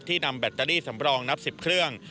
นำแบตเตอรี่สำรองนับ๑๐เครื่อง